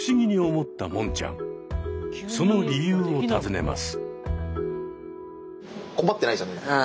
その理由を尋ねます。